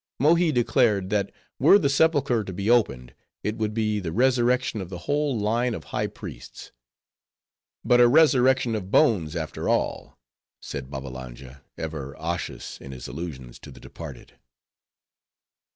Mohi declared, that were the sepulcher to be opened, it would be the resurrection of the whole line of High Priests. "But a resurrection of bones, after all," said Babbalanja, ever osseous in his allusions to the departed.